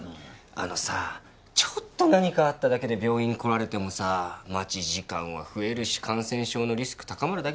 あのさちょっと何かあっただけで病院に来られてもさ待ち時間は増えるし感染症のリスク高まるだけだよ。